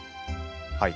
はい。